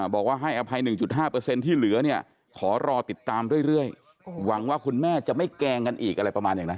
บอกว่าให้อภัย๑๕ที่เหลือเนี่ยขอรอติดตามเรื่อยหวังว่าคุณแม่จะไม่แกล้งกันอีกอะไรประมาณอย่างนั้น